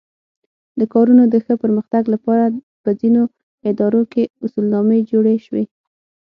د کارونو د ښه پرمختګ لپاره په ځینو ادارو کې اصولنامې جوړې شوې.